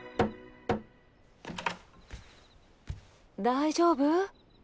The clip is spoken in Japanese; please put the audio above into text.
大丈夫？